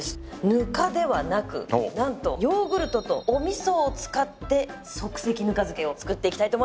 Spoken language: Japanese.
ぬかではなく何とヨーグルトとお味噌を使って即席ぬか漬けを作っていきたいと思います。